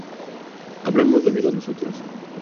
¿habremos bebido nosotros?